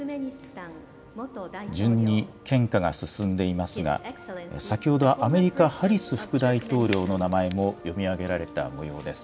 順に献花が進んでいますが、先ほど、アメリカ、ハリス副大統領の名前も読み上げられたもようです。